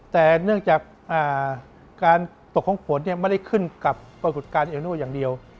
แต่เนื่องจากการตกของฝนไม่ได้ขึ้นกับปรากฏการณ์เอลโน่อย่างเดียว